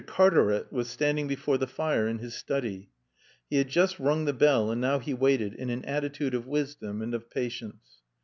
Cartaret was standing before the fire in his study. He had just rung the bell and now he waited in an attitude of wisdom and of patience.